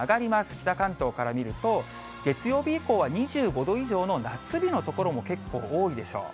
北関東から見ると、月曜日以降は２５度以上の夏日の所も結構多いでしょう。